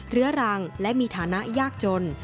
เรื้อรังและมีฐานะยากจน